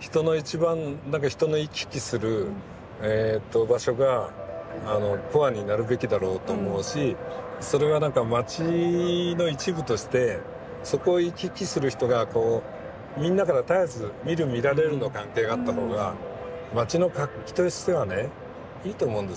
人の一番人の行き来する場所がコアになるべきだろうと思うしそれはなんか街の一部としてそこを行き来する人がみんなから絶えず見る見られるの関係があった方が街の活気としてはねいいと思うんですよ。